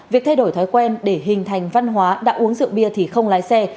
việc thay đổi thói quen để hình thành văn hóa đã uống rượu bia thì không lái xe